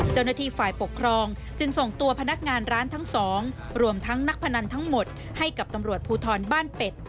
เจ้าหน้าที่ฝ่ายปกครองจึงส่งตัวพนักงานร้านทั้งสองรวมทั้งนักพนันทั้งหมดให้กับตำรวจภูทรบ้านเป็ด